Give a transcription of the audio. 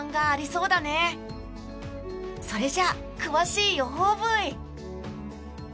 それじゃ、詳しい予報ブイ！